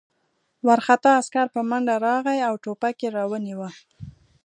وارخطا عسکر په منډه راغی او ټوپک یې را ونیاوه